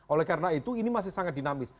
oleh karena itu ini masih sangat dinamis